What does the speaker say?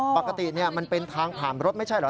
ปกติมันเป็นทางผ่านรถไม่ใช่เหรอ